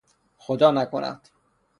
خدا نکند!